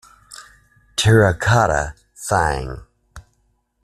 Terracotta Sighing.